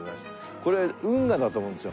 これ運河だと思うんですよ